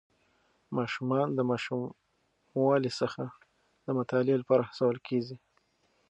ماشومان د ماشوموالي څخه د مطالعې لپاره هڅول کېږي.